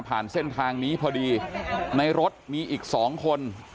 ผ่านเส้นทางนี้พอดีในรถมีอีก๒คน